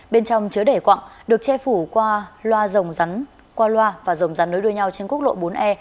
bên trong chứa đẩy quặng được che phủ qua loa rồng rắn qua loa và rồng rắn nối đuôi nhau trên quốc lộ bốn e